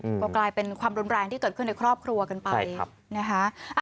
อืมก็กลายเป็นความร้อนแรงที่เกิดขึ้นในครอบครัวกันไปใช่ครับนะฮะ